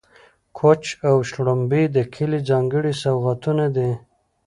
کوچ او شړومبې د کلي ځانګړي سوغاتونه دي.